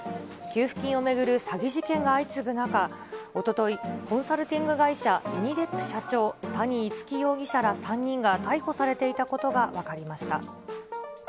給付金を巡る詐欺事件が相次ぐ中、おととい、コンサルティング会社、イニデップ社長、谷逸輝容疑者ら３人が逮捕されていたことが分かりました。